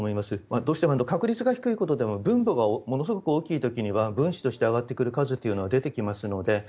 どうしても確率が低いことでも分母がものすごく多い時には分子として上がってくる数というのは出てきますので。